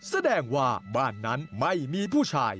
แสดงว่าบ้านนั้นไม่มีผู้ชาย